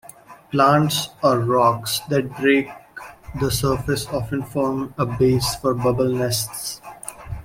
Plants or rocks that break the surface often form a base for bubble nests.